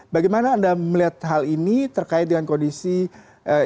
bagaimana anda melihat hal ini terkait dengan kondisi ini